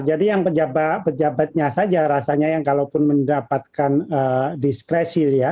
jadi yang pejabatnya saja rasanya yang kalaupun mendapatkan diskresi ya